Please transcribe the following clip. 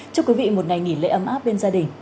chúc quý vị một ngày nghỉ lễ ấm áp bên gia đình